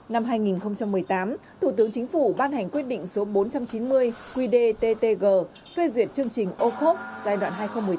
năm hai nghìn một mươi tám thủ tướng chính phủ ban hành quyết định số bốn trăm chín mươi quy đề ttg phê duyệt chương trình ô cốt giai đoạn hai nghìn một mươi tám hai nghìn hai mươi